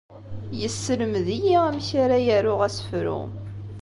Yesselmed-iyi amek ara aruɣ asefru.